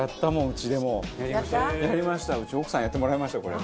うちの奥さんにやってもらいましたこれ。